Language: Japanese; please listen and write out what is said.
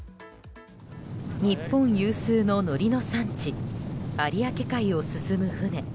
日本有数ののりの産地有明海を進む船。